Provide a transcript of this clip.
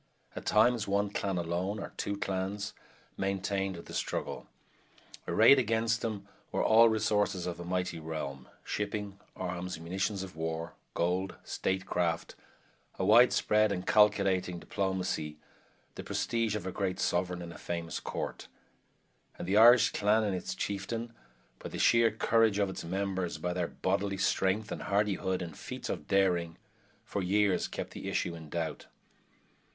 At times one clan alone, or two clans, maintained the struggle. Arrayed against them were all the resources of a mighty realm shipping, arms, munitions of war, gold, statecraft, a widespread and calculating diplomacy, the prestige of a great Sovereign and a famous Court and the Irish clan and its chieftain, by the sheer courage of its members, by their bodily strength and hardihood and feats of daring, for years kept the issue in doubt.